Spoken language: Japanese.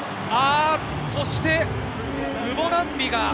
そして、ムボナンビが。